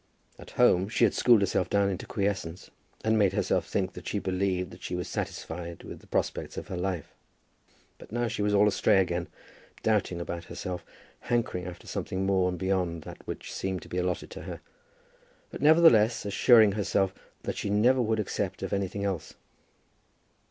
At home she had schooled herself down into quiescence, and made herself think that she believed that she was satisfied with the prospects of her life. But now she was all astray again, doubting about herself, hankering after something over and beyond that which seemed to be allotted to her, but, nevertheless, assuring herself that she never would accept of anything else.